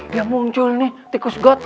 dia muncul nih tikus got